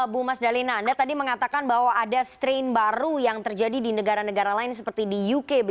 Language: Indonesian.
bu mas dalina anda tadi mengatakan bahwa ada strain baru yang terjadi di negara negara lain seperti di uk